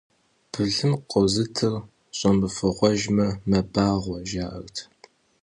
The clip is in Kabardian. Былым къозытыр щӏэмыфыгъуэжмэ, мэбагъуэ жаӏэрт.